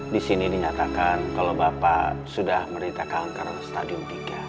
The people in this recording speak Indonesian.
disini dinyatakan kalau bapak sudah merita kanker stadium tiga